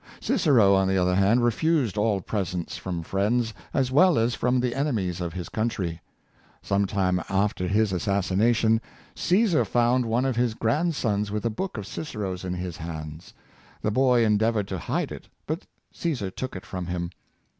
Cicero, on the other hand, refused all pres ents from friends, as well as from the enemies of his country. Some time after his assassination, Caesar found one of his grandsons with a book of Cicero's in his " Vicai' of Wakefield?' 387 hands. The boy endeavored to hide it, but Csesar took it from him.